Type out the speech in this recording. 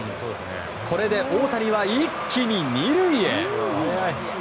これで大谷は一気に２塁へ！